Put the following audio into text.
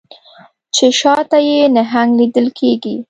چې شا ته یې نهنګ لیدل کیږي